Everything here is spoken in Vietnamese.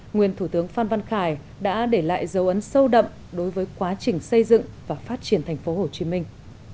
nguyên thủ tướng phan văn khải đã để lại dấu ấn sâu đậm đối với quá trình xây dựng và phát triển thành phố hồ chí minh